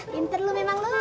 pinter lu memang lu